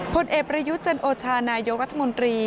พลเอปรยุจจนโอชานายกรรธมนตรี